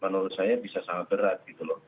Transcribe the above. menurut saya bisa sangat berat gitu loh